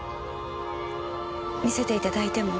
見せていただいても？